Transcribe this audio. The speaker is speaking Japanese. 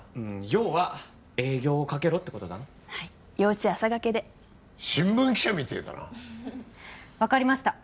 要は営業をかけろってことだなはい夜討ち朝駆けで新聞記者みてえだな分かりました